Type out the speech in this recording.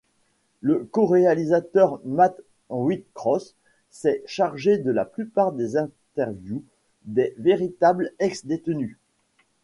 Le coréalisateur Mat Whitecross s'est chargé de la plupart des interviews des véritables ex-détenus.